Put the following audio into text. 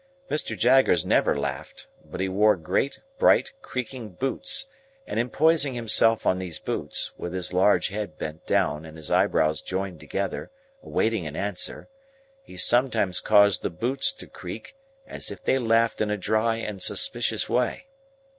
Mr. Jaggers never laughed; but he wore great bright creaking boots, and, in poising himself on these boots, with his large head bent down and his eyebrows joined together, awaiting an answer, he sometimes caused the boots to creak, as if they laughed in a dry and suspicious way.